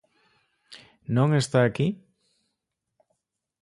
-Non está aquí?